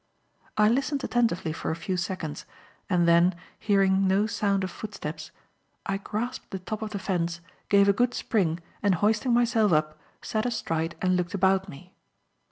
I listened attentively for a few seconds, and then, hearing no sound of footsteps, I grasped the top of the fence, gave a good spring and hoisting myself up, sat astride and looked about me.